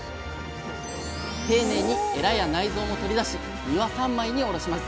丁寧にエラや内臓も取り出し身は三枚におろします。